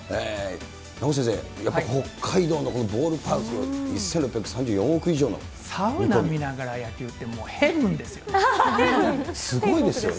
名越先生、北海道のボールパーク、サウナ見ながら野球ってもうすごいですよね。